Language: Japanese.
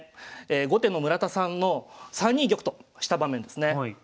後手の村田さんの３二玉とした場面ですね。